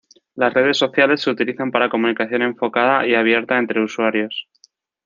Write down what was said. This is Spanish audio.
Las redes sociales se utilizan para comunicación enfocada y abierta entre usuarios.